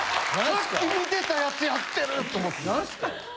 さっき観てたやつやってると思って。